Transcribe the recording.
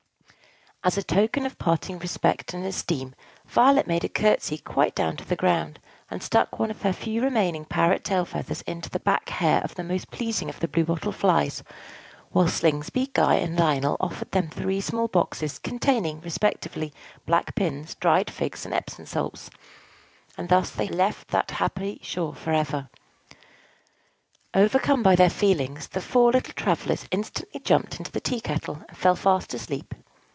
As a token of parting respect and esteem, Violet made a courtesy quite down to the ground, and stuck one of her few remaining parrot tail feathers into the back hair of the most pleasing of the Blue Bottle Flies; while Slingsby, Guy, and Lionel offered them three small boxes, containing, respectively, black pins, dried figs, and Epsom salts; and thus they left that happy shore forever. Overcome by their feelings, the four little travellers instantly jumped into the tea kettle, and fell fast asleep.